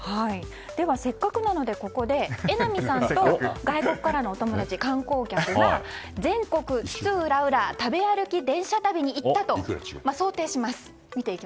では、せっかくなので榎並さんと外国からのお友達観光客が全国津々浦々食べ歩き電車旅に行ったと想定します。